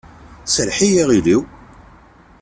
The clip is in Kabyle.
Serreḥ i yiɣil-iw!